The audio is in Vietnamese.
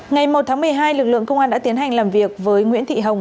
ngày một tháng một mươi hai lực lượng công an đã tiến hành làm việc với nguyễn thị hồng